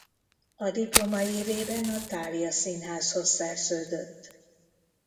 A diploma évében a Thália Színházhoz szerződött.